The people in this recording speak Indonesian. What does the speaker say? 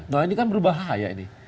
nah ini kan berbahaya ini